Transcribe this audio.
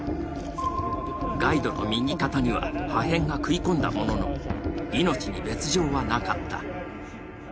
ガイドの右肩には破片が食い込んだものの、命に別状はなかった。